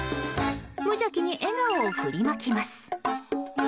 無邪気に笑顔を振りまきます。